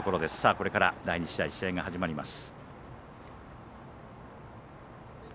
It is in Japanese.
これから第２試合の試合が始まります。